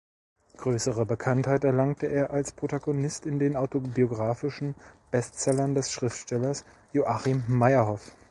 Größere Bekanntheit erlangte er als Protagonist in den autobiographischen Bestsellern des Schriftstellers Joachim Meyerhoff.